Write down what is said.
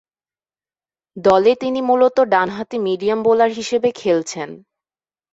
দলে তিনি মূলতঃ ডানহাতি মিডিয়াম বোলার হিসেবে খেলছেন।